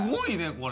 これ。